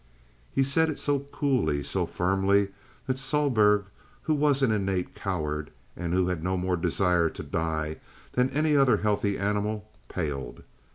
He said it so coolly, so firmly, that Sohlberg, who was an innate coward, and who had no more desire to die than any other healthy animal, paled.